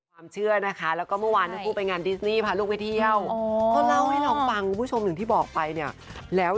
เพราะว่าพอบอกกันนะว่าพี่มิ๊กเขาดีขึ้นจริงนะคะ